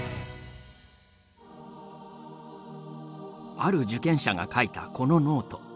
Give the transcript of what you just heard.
ある受験者が書いたこのノート。